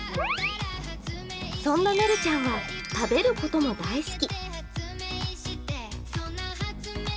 そんなめるちゃんは食べることも大好き。